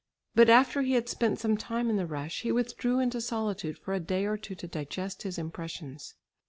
But after he had spent some time in the rush, he withdrew into solitude for a day or two to digest his impressions.